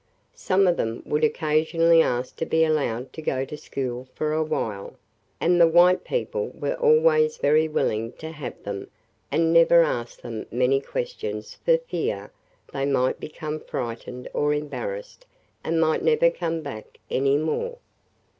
Some of them would occasionally ask to be allowed to go to school for a while, and the white people were always very willing to have them and never asked them many questions for fear they might become frightened or embarrassed and might never come any more.